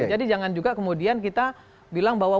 jadi jangan juga kemudian kita bilang bahwa